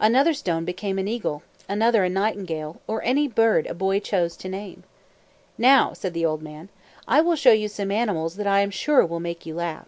Another stone became an eagle, another a nightingale, or any bird a boy chose to name. "Now," said the old man, "I will show you some animals that I am sure will make you laugh."